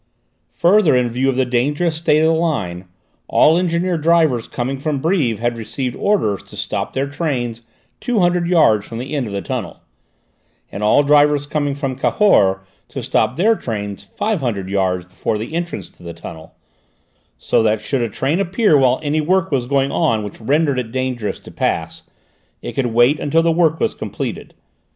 Further, in view of the dangerous state of the line, all engine drivers coming from Brives had received orders to stop their trains two hundred yards from the end of the tunnel, and all drivers coming from Cahors to stop their trains five hundred yards before the entrance to the tunnel, so that should a train appear while any work was going on which rendered it dangerous to pass, it could wait until the work was completed.